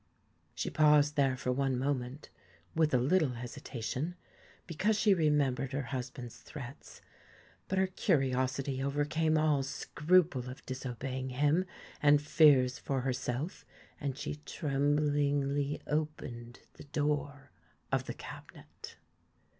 She paused there for one moment, with a little hesitation, because she remembered her husband's 162 threats; but her curiosity overcame all scruple BLUE of disobeying him, and fears for herself, and she BEARD tremblingly opened the door of the cabinet.